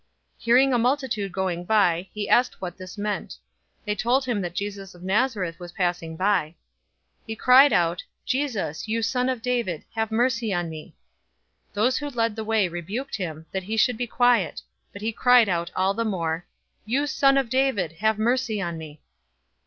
018:036 Hearing a multitude going by, he asked what this meant. 018:037 They told him that Jesus of Nazareth was passing by. 018:038 He cried out, "Jesus, you son of David, have mercy on me!" 018:039 Those who led the way rebuked him, that he should be quiet; but he cried out all the more, "You son of David, have mercy on me!"